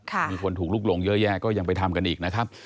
มีคนถูกลุกหลงเยอะแยะก็ยังไปทำกันอีกนะครับ